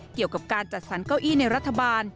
เกี่ยวกับการจัดสรรเก้าอี้ในรัฐบาล